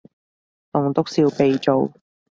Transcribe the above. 棟篤笑鼻祖